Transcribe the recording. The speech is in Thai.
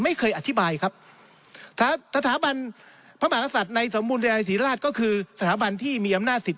ไม่เคยอธิบายถ้าตัดตัดหาพระภาษัทในสมวนแรกทีลาดก็คือสถาบันที่มีอำนาจศิษย์